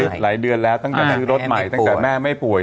หลายเดือนแล้วตั้งแต่ซื้อรถใหม่ตั้งแต่แม่ไม่ป่วย